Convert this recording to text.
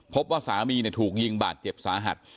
พบว่าสามีถูกยิงบาดเจ็บสาหัส